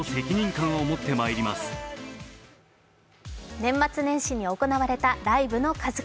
年末年始に行われたライブの数々。